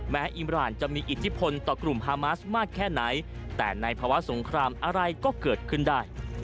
อิมรานจะมีอิทธิพลต่อกลุ่มฮามาสมากแค่ไหนแต่ในภาวะสงครามอะไรก็เกิดขึ้นได้